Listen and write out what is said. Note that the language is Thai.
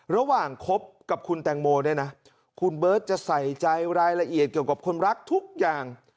คบกับคุณแตงโมเนี่ยนะคุณเบิร์ตจะใส่ใจรายละเอียดเกี่ยวกับคนรักทุกอย่าง